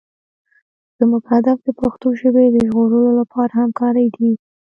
زموږ هدف د پښتو ژبې د ژغورلو لپاره همکارۍ دي.